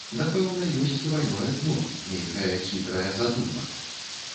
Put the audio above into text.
Напэўна, ёсць двайное дно, нейкая хітрая задума.